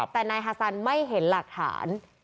แต่นายฮาซันไม่เห็นหลักฐาน